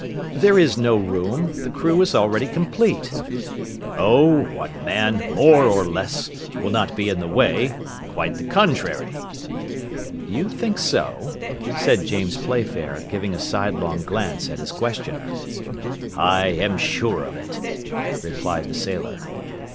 "There is no room; the crew is already complete." "Oh, one man, more or less, will not be in the way; quite the contrary." "You think so?" said James Playfair, giving a sidelong glance at his questioner. "I am sure of it," replied the sailor.